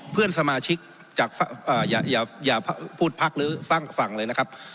๒เพื่อนสมาชิกอย่าพูดพักฟังเลยนะครับ